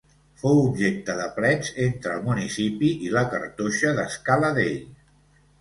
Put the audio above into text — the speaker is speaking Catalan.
Fou objecte de plets entre el municipi i la Cartoixa d'Escala Dei.